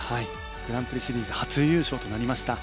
グランプリシリーズ初優勝となりました。